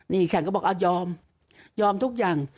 นี่แขกก็บอกยอมยอมทุกอย่าง